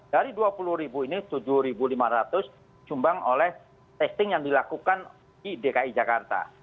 dari dua puluh ini tujuh lima ratus cumbang oleh testing yang dilakukan di dki jakarta